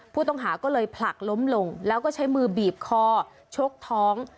ผู้ต้องหาก็เลยผลักล้มลงแล้วก็ใช้มือบีบคอชกท้อง